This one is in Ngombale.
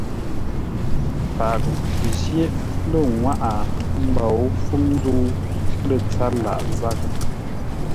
Paghʼə jyéʼ lə́ ŋwáʼá mbǒu fúŋ zə̂u lə́ tsâr lâʼ zághʼə.